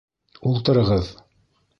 Ултырығыҙ!